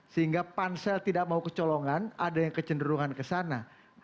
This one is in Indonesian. sehingga pansel tidak mau kecolongan ada yang kecenderungan ke sana